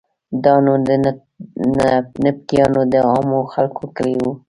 دا نو د نبطیانو د عامو خلکو کلی و.